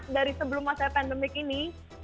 dari sebelum masa pandemik ini